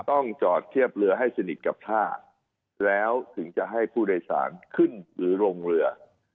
ต้องจอดเทียบเรือให้สนิทกับท่าแล้วถึงจะให้ผู้โดยสารขึ้นหรือลงเรือ